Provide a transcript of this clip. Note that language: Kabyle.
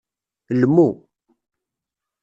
Lmu.